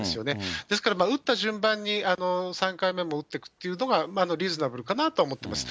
ですから打った順番に３回目も打っていくっていうのがリーズナブルかなと思ってます。